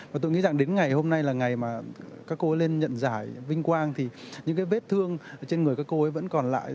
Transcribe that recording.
và tôi nghĩ rằng đến ngày hôm nay là ngày mà các cô ấy lên nhận giải vinh quang thì những cái vết thương trên người các cô ấy vẫn còn lại